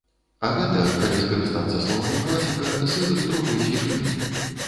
А гэта, калі скарыстацца словамі класіка, сыр другой свежыны.